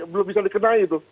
belum bisa dikenai tuh